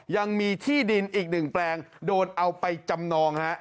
ยังมีที่ดินอีกหนึ่งแปลงโดนเอาไปจำนองฮะ